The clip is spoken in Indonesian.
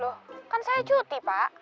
loh kan saya cuti pak